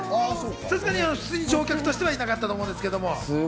さすがに普通の乗客の方はいなかったと思うんですけど。